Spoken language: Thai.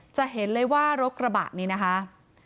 จะเห็นเลยว่ารถกระบะนี้นะคะ